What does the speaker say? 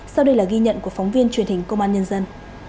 sau đây là ghi nhận của phóng viên truyền hình công an nhân dân